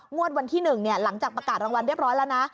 วันที่๑หลังจากประกาศรางวัลเรียบร้อยแล้วนะ